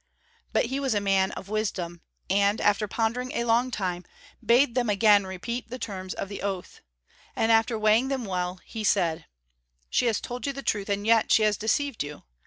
But he was a man of wisdom, (4) and, after pondering a long time, bade them again repeat the terms of the oath. And after weighing them well, he said "She has told you the truth and yet she has deceived you.